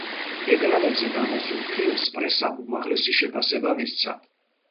ეკრანებზე გამოსულ ფილმს პრესამ უმაღლესი შეფასება მისცა.